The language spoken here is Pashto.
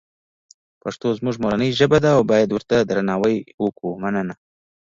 پښتوزموږمورنی ژبه ده اوبایدورته درناوی وکومننه